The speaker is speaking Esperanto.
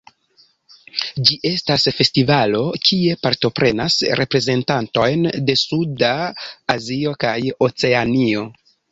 Ĝi estas festivalo kie partoprenas reprezentantojn de suda Azio kaj Oceanio.